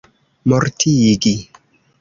mortigi